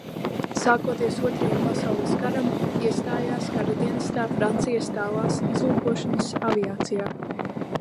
Sākoties Otrajam pasaules karam, iestājās karadienestā Francijas Tālās izlūkošanas aviācijā.